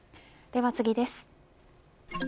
では次です。